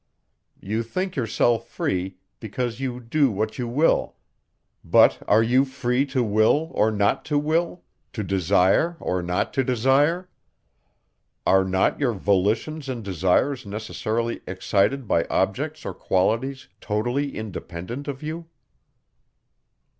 You think yourself free, because you do what you will; but are you free to will, or not to will; to desire, or not to desire? Are not your volitions and desires necessarily excited by objects or qualities totally independent of you?